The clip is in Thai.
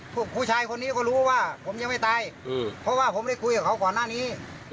ผู้ชายคนนี้ก็รู้ว่าผมยังไม่ตายเพราะว่าผมได้คุยกับเขาก่อนหน้านี้